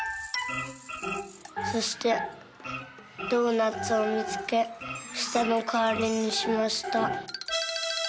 そしてドーナツをみつけしたのかわりにしました」。